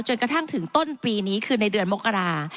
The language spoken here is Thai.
กระทั่งถึงต้นปีนี้คือในเดือนมกรา